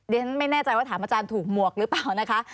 ฉันไม่แน่ใจว่าถามอาจารย์ถูกหมวกหรือเปล่านะคะ